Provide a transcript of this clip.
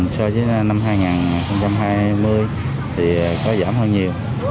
so với năm hai nghìn hai mươi thì có giảm hơn nhiều